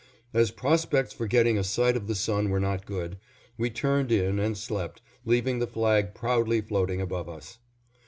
As prospects for getting a sight of the sun were not good, we turned in and slept, leaving the flag proudly floating above us.